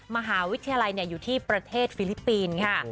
มหาวิทยาลัยอยู่ที่ประเทศฟิลิปปินส์ค่ะ